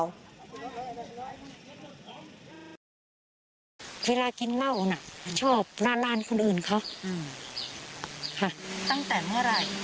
เวลากินเหล้าน่ะชอบนานคนอื่นเขาค่ะตั้งแต่เมื่อไหร่